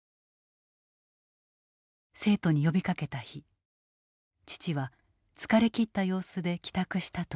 生徒に呼びかけた日父は疲れ切った様子で帰宅したという。